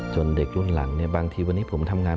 เด็กรุ่นหลังบางทีวันนี้ผมทำงาน